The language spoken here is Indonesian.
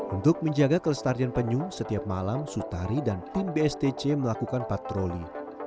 untuk menjaga kelestarian penyu setiap malam sutari dan tim bstc melakukan patroli